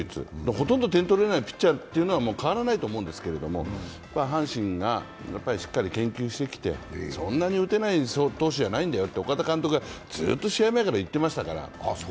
ほとんど点取れないピッチャーというのは変わらないと思うんですけど阪神がしっかり研究してきて、そんなに打てない投手じゃないんだよと岡田監督がずーっと試合前から言ってましたから。